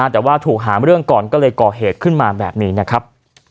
แต่ว่าถูกหามเรื่องก่อนก็เลยก่อเหตุขึ้นมาแบบนี้นะครับ